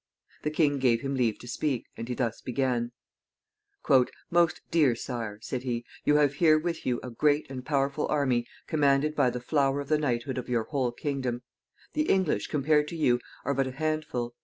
The king gave him leave to speak, and he thus began: "Most dear sire," said he, "you have here with you a great and powerful army, commanded by the flower of the knighthood of your whole kingdom. The English, compared with you, are but a handful.